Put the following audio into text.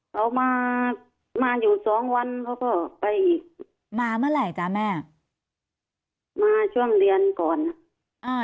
เขามามาอยู่สองวันเขาก็ไปอีกมาเมื่อไหร่จ้ะแม่มาช่วงเดือนก่อนอ่า